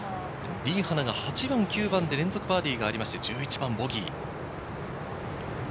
リ・ハナが８番、９番、連続バーディーがありまして、１１番ボギー。